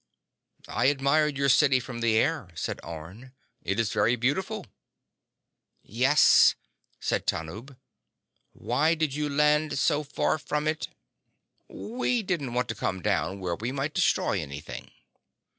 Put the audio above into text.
"I admired your city from the air," said Orne. "It is very beautiful." "Yes," said Tanub. "Why did you land so far from it?" "We didn't want to come down where we might destroy anything."